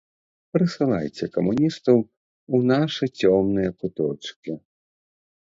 Прысылайце камуністаў у нашы цёмныя куточкі.